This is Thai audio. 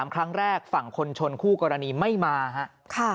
ครั้งแรกฝั่งคนชนคู่กรณีไม่มาครับ